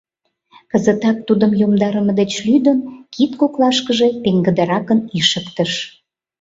Кызытак тудым йомдарыме деч лӱдын, кид коклашкыже пеҥгыдыракын ишыктыш.